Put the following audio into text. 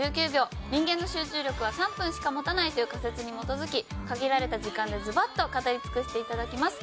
人間の集中力は３分しか持たないという仮説に基づき限られた時間でズバッと語り尽くしていただきます。